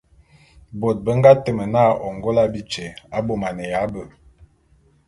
Bôt be nga teme na Ôngôla bityé abômaneya be.